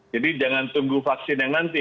jadi jangan tunggu vaksin yang nanti